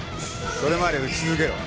それまで打ち続けろ。